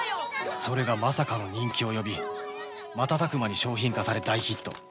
それがまさかの人気を呼び瞬く間に商品化され大ヒット